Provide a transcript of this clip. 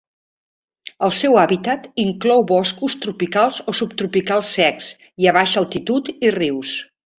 El seu hàbitat inclou boscos tropicals o subtropicals secs i a baixa altitud i rius.